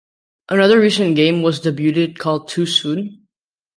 Another recent game was debuted called Too Soon?